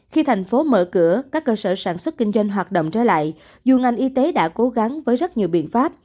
khi thành phố mở cửa các cơ sở sản xuất kinh doanh hoạt động trở lại dù ngành y tế đã cố gắng với rất nhiều biện pháp